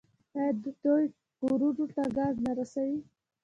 آیا دوی کورونو ته ګاز نه رسوي؟